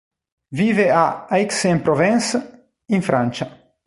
Vive a Aix-en-Provence, in Francia.